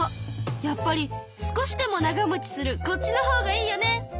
やっぱり少しでも長もちするこっちのほうがいいよね！